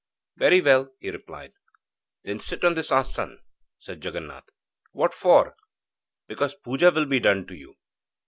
'Very well,' he replied. 'Then sit on this assan,' said Jaganath. 'What for?' 'Because puja will be done to you.'